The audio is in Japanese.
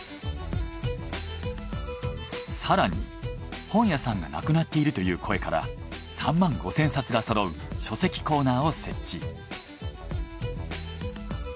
更に本屋さんがなくなっているという声から３万５，０００冊がそろう書籍コーナーを設置。